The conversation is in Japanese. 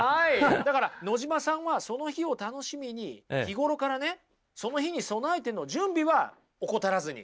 だから野島さんはその日を楽しみに日頃からねその日に備えての準備は怠らずに。